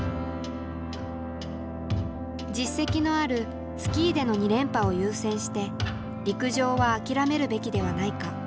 実績のあるスキーでの２連覇を優先して陸上は諦めるべきではないか。